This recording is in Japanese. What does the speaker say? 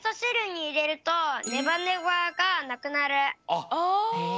ああ。